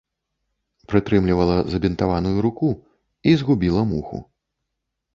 Прытрымлівала забінтаваную руку і згубіла муху.